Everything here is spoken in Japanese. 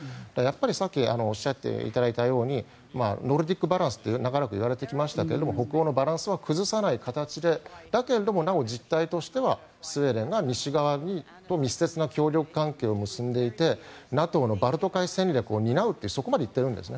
さっきおっしゃったようにノルディックバランスと言われてきましたが北欧のバランスは崩さない形でだけどなお実態としてはスウェーデンが西側と密接な協力関係を結んでいてＮＡＴＯのバルト海戦略を担うとそこまで言っているんです。